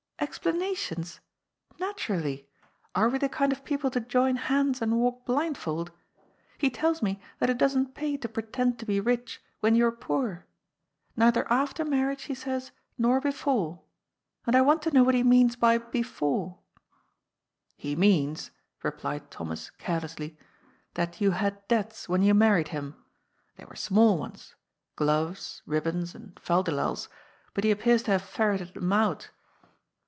^^Explanations? Naturally. Are we the kind of people to join hands and walk blindfold ? He tells me that it doesn't pay to pretend to be rich when you're poor. Neither after marriage, he says, nor before. And I want to know what he means by ' before.' "" He means," replied Thomas carelessly, " that you had debts when you married him. They were small ones — gloves, ribbons, and fal de lals — bat he appears to have fer reted them out."